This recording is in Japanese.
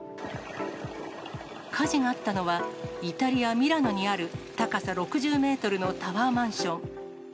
火事があったのは、イタリア・ミラノにある高さ６０メートルのタワーマンション。